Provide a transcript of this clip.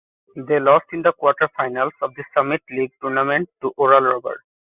They lost in the quarterfinals of the Summit League Tournament to Oral Roberts.